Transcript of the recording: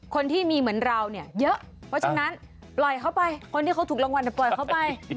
คนที่มีเหมือนเราเนี่ยเยอะเพราะฉะนั้นปล่อยเขาไปคนที่เขาถูกรางวัลปล่อยเขาไป